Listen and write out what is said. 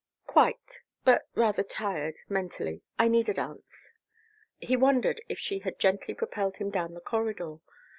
"Quite, but rather tired mentally. I need a dance...." He wondered if she had gently propelled him down the corridor.